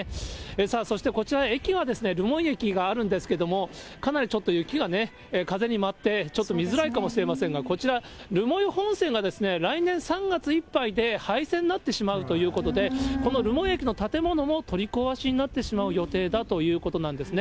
さあそしてこちら、駅は留萌駅があるんですけれども、かなりちょっと、雪がね、風に舞って、ちょっと見づらいかもしれませんが、こちら、留萌本線が来年３月いっぱいで廃線になってしまうということで、この留萌駅の建物も取り壊しになってしまう予定だということなんですね。